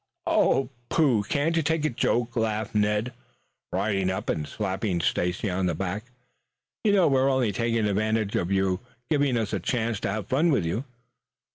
"Oh, pooh! Can't you take a joke?" laughed Ned, riding up and slapping Stacy on the back. "You know we are only taking advantage of your giving us a chance to have fun with you.